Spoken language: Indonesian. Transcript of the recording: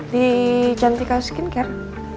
di jantika skincare